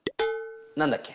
何だっけ？